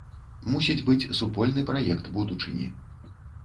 Мусіць быць супольны праект будучыні.